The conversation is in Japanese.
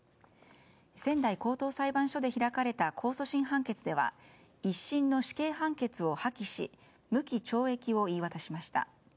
仙台高等裁判所で開かれた控訴審判決では１審の死刑判決を破棄し無期懲役を言い渡しました。